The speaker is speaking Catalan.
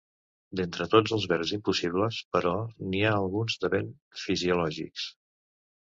D'entre tots els verbs impossibles, però, n'hi ha alguns de ben fisiològics.